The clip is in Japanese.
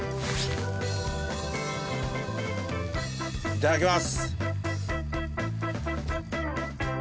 いただきます。